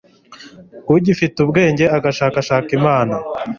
ugifite ubwenge agashakashaka Imana